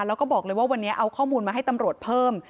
แล้วก็บอกเลยว่าวันนี้เอาข้อมูลมาให้ตำรวจเพิ่ม